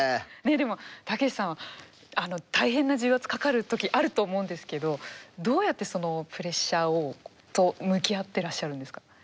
でもたけしさんは大変な重圧かかる時あると思うんですけどどうやってそのプレッシャーと向き合ってらっしゃるんですか？